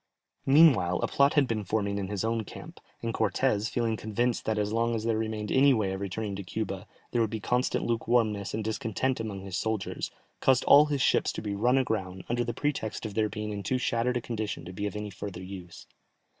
Meanwhile a plot had been forming in his own camp, and Cortès, feeling convinced that as long as there remained any way of returning to Cuba, there would be constant lukewarmness and discontent among his soldiers, caused all his ships to be run aground, under the pretext of their being in too shattered a condition to be of any further use.